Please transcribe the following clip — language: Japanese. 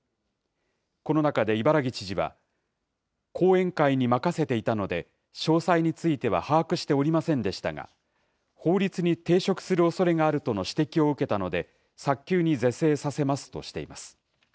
この中で伊原木知事は、後援会に任せていたので、詳細については把握しておりませんでしたが、法律に抵触するおそれがあるとの指摘を受けたので、早急に是正させますとしています。